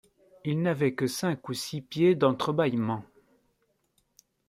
Il n’avait que cinq ou six pieds d’entre-bâillement.